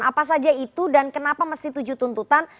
apa saja itu dan kenapa mesti tujuh tuntutan